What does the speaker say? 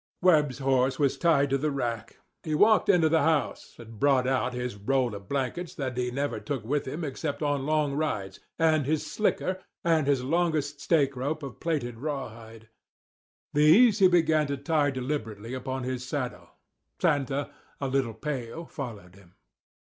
Webb's horse was tied to the rack. He walked into the house and brought out his roll of blankets that he never took with him except on long rides, and his "slicker," and his longest stake rope of plaited raw hide. These he began to tie deliberately upon his saddle. Santa, a little pale, followed him.